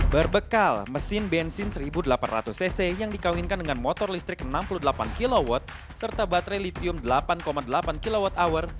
berbekal mesin bensin seribu delapan ratus cc yang dikawinkan dengan motor listrik enam puluh delapan kw serta baterai litium delapan delapan kwh